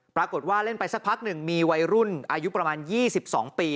ปรากฏว่าเล่นไปสักพักหนึ่งมีวัยรุ่นอายุประมาณ๒๒ปี